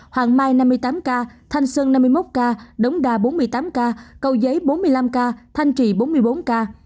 hoàng mai năm mươi tám ca thanh sơn năm mươi một ca đống đa bốn mươi tám ca cầu giấy bốn mươi năm ca thanh trì bốn mươi bốn ca